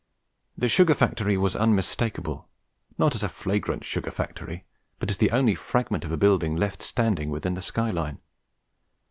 The sugar factory was unmistakable, not as a flagrant sugar factory but as the only fragment of a building left standing within the sky line.